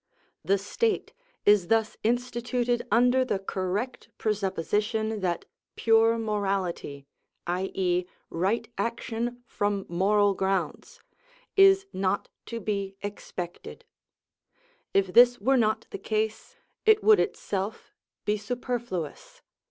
The state is thus instituted under the correct presupposition that pure morality, i.e., right action from moral grounds, is not to be expected; if this were not the case, it would itself be superfluous.